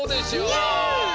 イエイ！